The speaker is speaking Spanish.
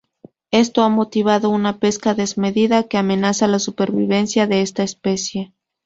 Esto ha motivado una pesca desmedida que amenaza la supervivencia de esta especie.